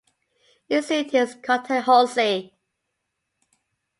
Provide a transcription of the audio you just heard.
Its seat is Cotahuasi.